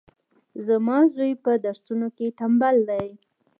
زما زوی پهدرسونو کي ټمبل دی